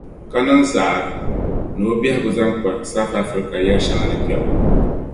Ka niŋ zaɣa ni o biɛhigu zaŋ kpa South Africa yɛli shɛŋa ni kpɛbu.